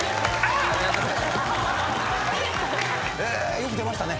よく出ましたね。